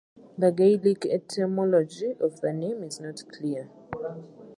The Gaelic etymology of the name is not clear.